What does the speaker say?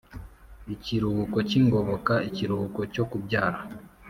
ikiruhuko cy’ingoboka, ikiruhuko cyo kubyara